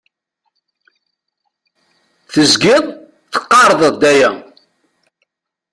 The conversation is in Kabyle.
Tezgiḍ teqqareḍ-d aya.